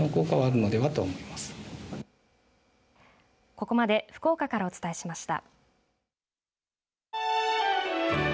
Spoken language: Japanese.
ここまで福岡からお伝えしました。